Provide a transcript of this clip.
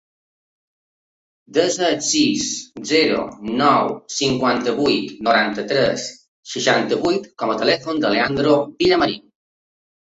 Desa el sis, zero, nou, cinquanta-vuit, noranta-tres, seixanta-vuit com a telèfon del Leandro Villamarin.